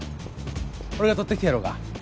俺が取ってきてやろうか？